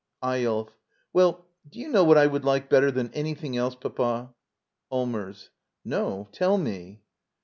Eyolf. Well, do you know what I would like better than ans^thing else. Papa? Allmers. No; tell me.